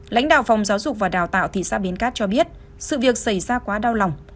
lãnh đạo phòng giáo dục và đào tạo thị xã bến cát cho biết sự việc xảy ra quá đau lòng